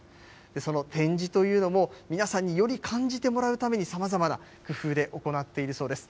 その展示というのも、皆さんにより感じてもらうために、さまざまな工夫で行っているそうです。